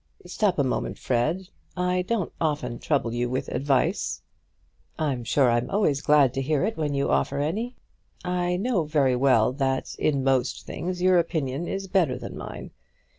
"Stop a moment, Fred. I don't often trouble you with advice." "I'm sure I'm always glad to hear it when you offer any." "I know very well that in most things your opinion is better than mine.